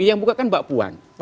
yang buka kan mbak puan